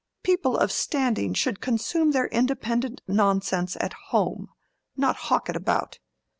People of standing should consume their independent nonsense at home, not hawk it about.